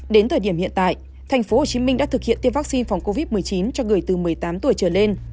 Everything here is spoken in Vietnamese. đến thời điểm hiện tại tp hcm đã thực hiện tiêm vaccine phòng covid một mươi chín cho người từ một mươi tám tuổi trở lên